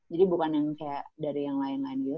jadi bukan yang kayak dari yang lain lain gitu